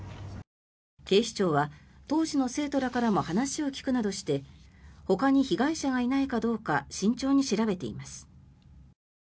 警視庁は当時の生徒らからも話を聞くなどしてほかに被害者がいないかどうか慎重に調べています。